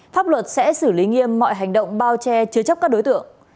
pháp luật sẽ xử lý nghiêm mọi hành động bao che chứa chấp các đối tượng